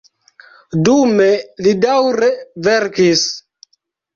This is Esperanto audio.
Dume li daŭre verkis.